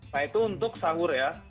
nah itu untuk sahur ya